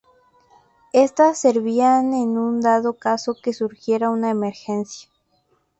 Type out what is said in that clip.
Estas servían en dado caso que surgiera una emergencia.